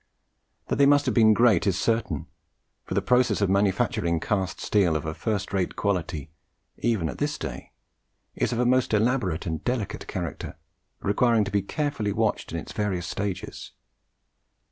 That they must have been great is certain, for the process of manufacturing cast steel of a first rate quality even at this day is of a most elaborate and delicate character, requiring to be carefully watched in its various stages.